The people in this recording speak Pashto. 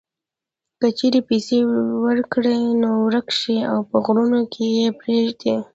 کله چې پیسې ورکړې نو ورک شي او په غرونو کې یې پرېږدي.